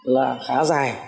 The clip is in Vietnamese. là khá dài